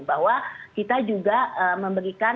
bahwa kita juga memberikan